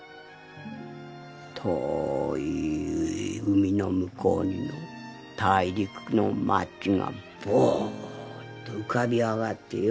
遠い海の向こうによ大陸の街がボーッと浮かび上がってよ